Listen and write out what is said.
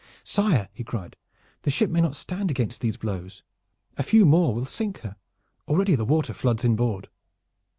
"Sire!" he cried. "The ship may not stand against these blows. A few more will sink her! Already the water floods inboard."